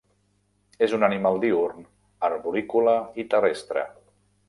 És un animal diürn arborícola i terrestre.